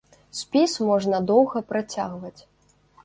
Спіс можна доўга працягваць.